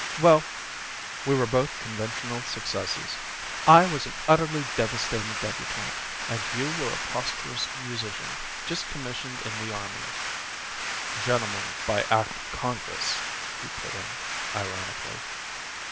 " well, we were both conventional successes. I was an utterly devastating débutante and you were a prosperous musician just commissioned in the army " "Gentleman by act of Congress," he put in ironically.